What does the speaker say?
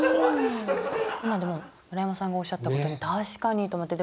今でも村山さんがおっしゃったこと確かにと思って。